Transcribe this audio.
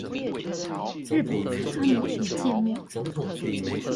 日本的榻榻米與芥末